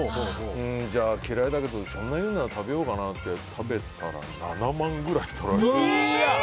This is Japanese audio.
じゃあ、嫌いだけどそんなに言うなら食べようかなってそれで食べたら７万ぐらい取られて。